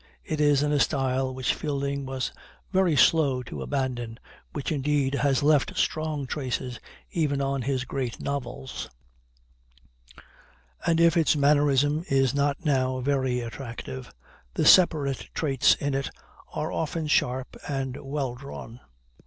It is in a style which Fielding was very slow to abandon, which indeed has left strong traces even on his great novels; and if its mannerism is not now very attractive, the separate traits in it are often sharp and well drawn.